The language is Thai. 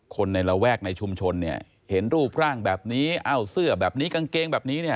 คนในระแวกในชุมชนเนี่ยเห็นรูปร่างแบบนี้เอ้าเสื้อแบบนี้กางเกงแบบนี้เนี่ย